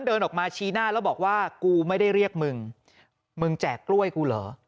เดินออกมาชี้หน้าแล้วบอกว่ากูไม่ได้เรียกมึงมึงแจกกล้วยกูเหรอ